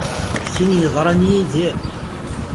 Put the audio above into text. A tin yeḍran yid-i!